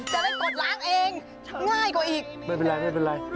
จะได้กดล้างเองง่ายกว่าอีก